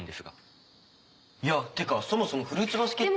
いやっていうかそもそもフルーツバスケットが。